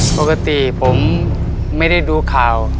ปกติผมไม่ได้ดูข่าว